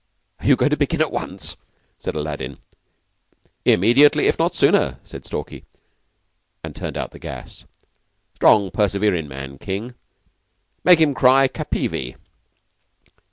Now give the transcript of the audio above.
"Are you going to begin at once?' said Aladdin. "Immediately, if not sooner," said Stalky, and turned out the gas. "Strong, perseverin' man King. Make him cry 'Capivi.